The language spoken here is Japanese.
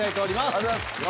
ありがとうございます。